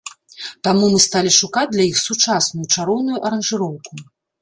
Таму мы сталі шукаць для іх сучасную, чароўную аранжыроўку.